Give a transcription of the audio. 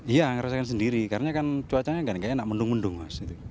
iya ngerasakan sendiri karena kan cuacanya nggak enak mendung mendung mas